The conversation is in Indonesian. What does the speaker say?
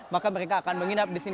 maka mereka akan menginap di sini